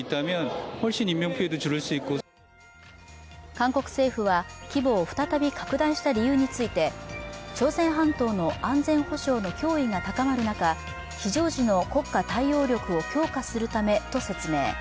韓国政府は規模を再び拡大した理由について朝鮮半島の安全保障の脅威が高まる中、非常時の国家対応力を強化するためと説明。